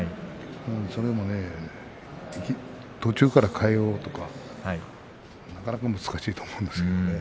それも途中から変えようとかなかなか難しいと思うんですけどね。